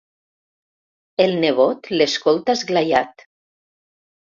El nebot l'escolta esglaiat.